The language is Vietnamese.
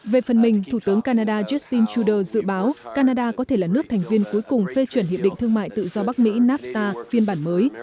về phần mình thủ tướng canada justin trudeau dự báo canada có thể là nước thành viên cuối cùng phê chuẩn hiệp định thương mại tự do bắc mỹ nafta phiên bản mới